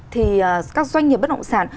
thì các doanh nghiệp bất động sản